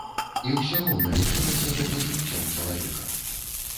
І ўсё роўна лічылася гэта жыццём чалавека.